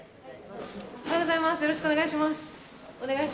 おはようございます。